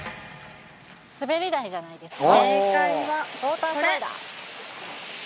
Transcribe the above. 滑り台じゃないですか？